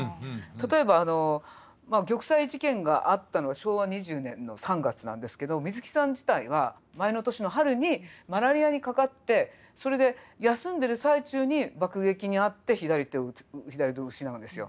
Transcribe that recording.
例えばあのまあ玉砕事件があったのは昭和２０年の３月なんですけど水木さん自体は前の年の春にマラリアにかかってそれで休んでる最中に爆撃に遭って左手を失うんですよ。